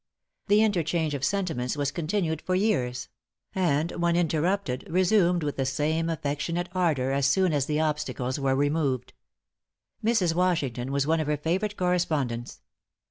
The interchange of sentiments was continued for years; and when interrupted, resumed with the same affectionate ardor as soon as the obstacles were removed. Mrs. Washington was one of her favorite correspondents.